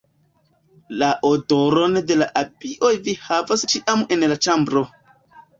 La odoron de la abioj vi havos ĉiam en la ĉambro.